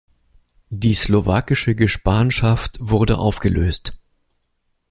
Die slowakische Gespanschaft wurde aufgelöst.